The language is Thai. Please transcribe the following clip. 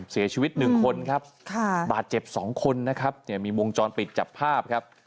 เสียชีวิตหนึ่งคนครับบาดเจ็บ๒คนนะครับเนี่ยมีวงจรปิดจับภาพครับ